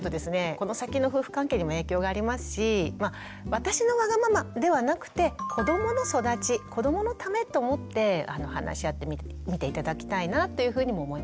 この先の夫婦関係にも影響がありますし「私のわがまま」ではなくて「子どもの育ち」子どものためと思って話し合ってみて頂きたいなというふうにも思います。